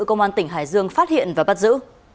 công an tỉnh hải dương phát hiện và bắt giữ